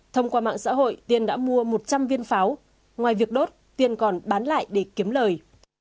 thông qua mạng xã hội tiên đã mua một trăm linh viên pháo ngoài việc đốt tiên còn bán lại để kiếm lời